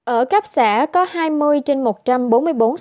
ở các xã có hai mươi trên một trăm bốn mươi bốn xã có nguy cơ rất cao